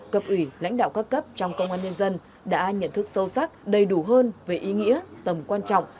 cập ủy lãnh đạo các cấp trong công an nhân dân đã nhận thức sâu sắc đầy đủ hơn về ý nghĩa tầm quan trọng